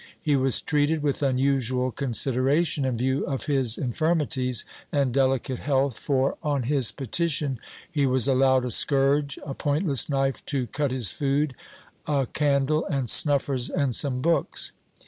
Lie was treated with unusual consideration, in view of his infirmities and delicate health for, on his petition, he was allowed a scourge, a pointless knife to cut his food, a candle and snuffers and some books.